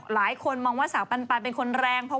หลายคนมองว่าสาวปันเป็นคนแรง